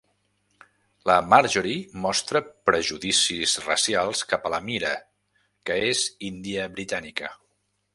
La Marjorie mostra prejudicis racials cap a la Meera, que és índia britànica.